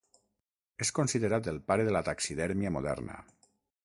És considerat el pare de taxidèrmia moderna.